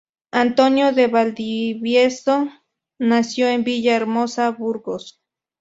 Antonio de Valdivieso nació en Villa Hermosa, Burgos.